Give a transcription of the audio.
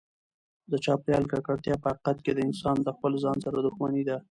د چاپیریال ککړتیا په حقیقت کې د انسان د خپل ځان سره دښمني ده.